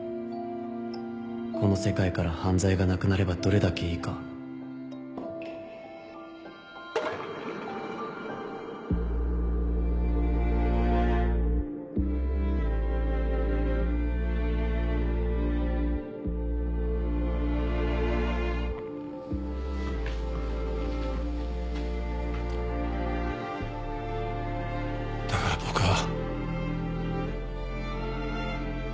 この世界から犯罪がなくなればどれだけいいかだから僕は。